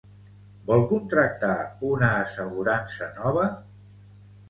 Vol contractar una assegurança nova?